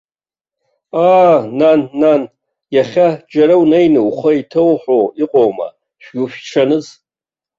Аа, нан, нан, иахьа џьара унеины ухы еиҭоуҳәо иҟоума, шәгәышәҽаныз!